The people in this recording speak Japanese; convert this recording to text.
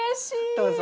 どうぞ。